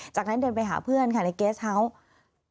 จากนั้นเดินไปหาเพื่อนค่ะในเกสเฮาส์